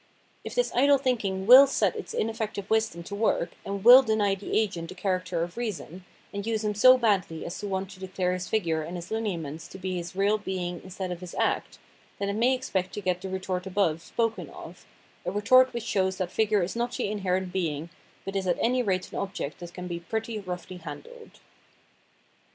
If this idle thinking will set its ineffective wisdom to work, and will deny the agent the character of reason, and use him so badly as to want to declare his figure and his Hneaments to be his real being instead of his act, then it may expect to get the retort above spoken of, a retort which shows that figure is not the inherent being, but is at any rate an object that can be pretty roughly handled.